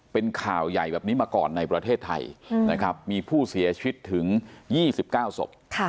เป็นข่าวใหญ่แบบนี้มาก่อนในประเทศไทยนะครับมีผู้เสียชีวิตถึง๒๙ศพ